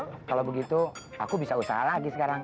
kalau begitu aku bisa usaha lagi sekarang